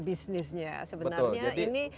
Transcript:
bisnisnya sebenarnya ini betul jadi